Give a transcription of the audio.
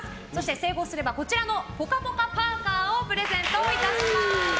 成功すればぽかぽかパーカをプレゼントいたします！